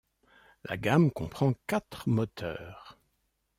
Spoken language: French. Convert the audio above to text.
La gamme comprend quatre moteurs.